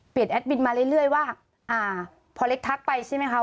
เปลี่ยนแอดมินมาเรื่อยว่าพอเล็กทักไปใช่ไหมคะ